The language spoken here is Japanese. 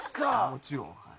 もちろんはい。